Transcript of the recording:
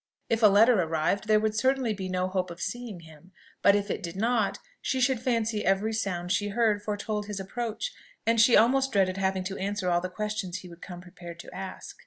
If a letter arrived, there would certainly be no hope of seeing him; but if it did not, she should fancy every sound she heard foretold his approach, and she almost dreaded the having to answer all the questions he would come prepared to ask.